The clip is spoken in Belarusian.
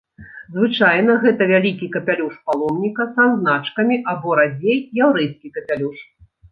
Звычайна гэта вялікі капялюш паломніка са значкамі або, радзей, яўрэйскі капялюш.